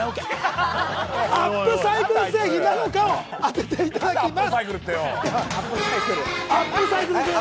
アップサイクル製品なのかを当てていただきます。